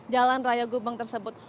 di gubeng tersebut